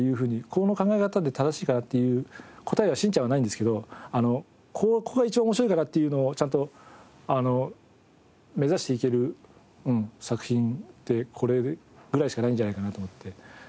この考え方で正しいかな？っていう答えは『しんちゃん』はないんですけどここが一番面白いからっていうのをちゃんと目指していける作品ってこれぐらいしかないんじゃないかなと思って。